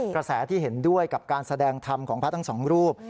กระแสที่เห็นด้วยกับการแสดงธรรมของพระทั้งสองรูป